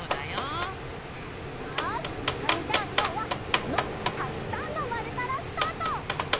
よしそれじゃあきょうはこのたくさんのまるからスタート！